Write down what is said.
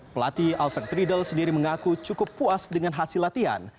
pelatih alfred riedel sendiri mengaku cukup puas dengan hasil latihan